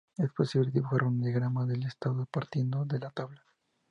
Es posible dibujar un Diagrama de estados partiendo de la tabla.